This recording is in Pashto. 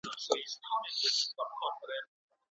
ولې ځايي واردوونکي طبي درمل له هند څخه واردوي؟